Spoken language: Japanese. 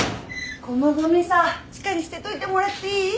このごみさ地下に捨てといてもらっていい？